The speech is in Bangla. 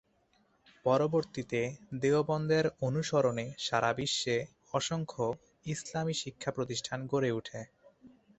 পরবর্তীতে দেওবন্দের অনুসরণে সারা বিশ্বে অসংখ্য ইসলামি শিক্ষা প্রতিষ্ঠান গড়ে উঠে।